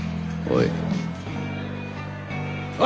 おい！